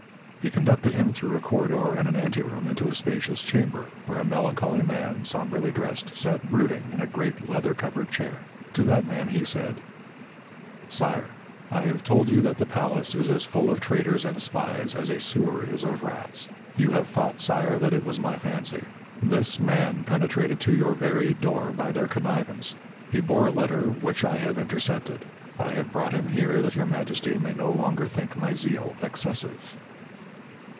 He conducted him through a corridor and an anteroom into a spacious chamber, where a melancholy man, sombrely dressed, sat brooding in a great, leather covered chair. To that man he said: "Sire, I have told you that the palace is as full of traitors and spies as a sewer is of rats. You have thought, sire, that it was my fancy. This man penetrated to your very door by their connivance. He bore a letter which I have intercepted. I have brought him here that your majesty may no longer think my zeal excessive."